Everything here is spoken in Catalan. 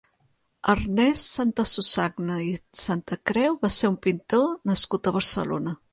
Ernest Santasusagna i Santacreu va ser un pintor nascut a Barcelona.